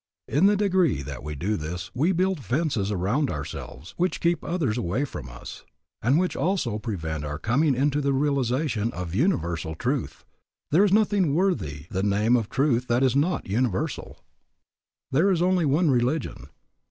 In the degree that we do this we build fences around ourselves which keep others away from us, and which also prevent our coming into the realization of universal truth; there is nothing worthy the name of truth that is not universal. There is only one religion.